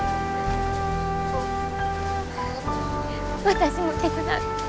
私も手伝う。